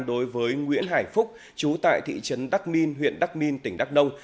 đối với nguyễn hải phúc chú tại thị trấn đắk minh huyện đắk minh tỉnh đắk nông